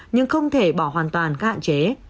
nhưng không thể bỏ hoàn toàn các hạn chế